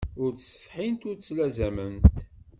Ur ttsetḥint ur ttlazament.